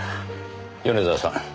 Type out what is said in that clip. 米沢さん